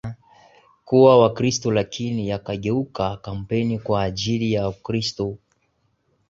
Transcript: kuwa Wakristo Lakini yakageuka kampeni kwa ajili ya Ukristo